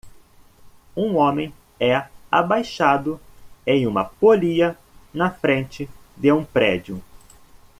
Um homem é abaixado em uma polia na frente de um prédio